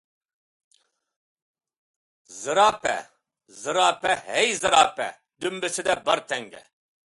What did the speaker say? زىراپە زىراپە، ھەي، زىراپە، دۈمبىسىدە بار تەڭگە.